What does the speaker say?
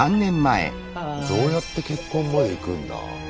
どうやって結婚までいくんだ？